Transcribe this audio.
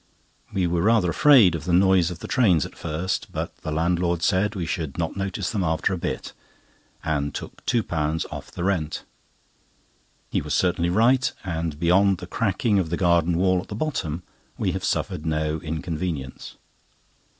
We were rather afraid of the noise of the trains at first, but the landlord said we should not notice them after a bit, and took £2 off the rent. He was certainly right; and beyond the cracking of the garden wall at the bottom, we have suffered no inconvenience.